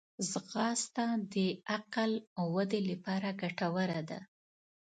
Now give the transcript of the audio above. ځغاسته د عقل ودې لپاره ګټوره ده